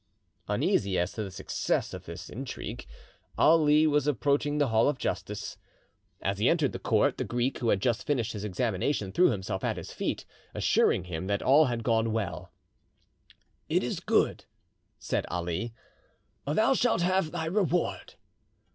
Uneasy as to the success of his intrigue, Ali was approaching the Hall of Justice. As he entered the court, the Greek, who had just finished his examination, threw himself at his feet, assuring him that all had gone well. "It is good," said Ali; "thou shalt have thy reward."